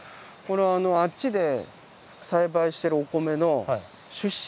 あっちで栽培してるお米の種子種。